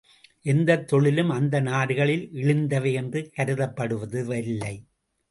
எந்தத் தொழிலும் அந்த நாடுகளில் இழிந்தவை என்று கருதப்படுவதில்லை.